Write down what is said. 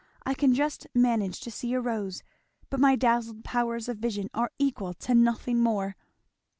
I can just manage to see a rose, but my dazzled powers of vision are equal to nothing more."